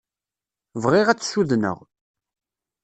Bɣiɣ ad tt-sudneɣ.